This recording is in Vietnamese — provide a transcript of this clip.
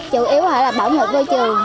chủ yếu là bài học